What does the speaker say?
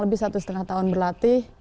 lebih satu setengah tahun berlatih